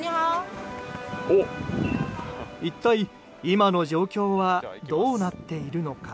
一体、今の状況はどうなっているのか。